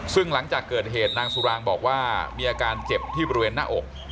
ซึ่งหลังจากเกิดเหตุนางสุรางบอกว่ามีอาการเจ็บที่บริเวณหน้าอก